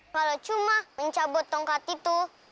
kalau cuma mencabut tongkat itu